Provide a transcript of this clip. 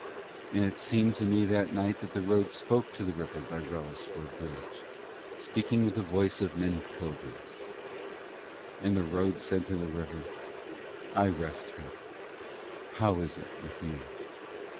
And it seemed to me that night that the road spoke to the river by Wrellisford bridge, speaking with the voice of many pilgrims. And the road said to the river: 'I rest here. How is it with you?'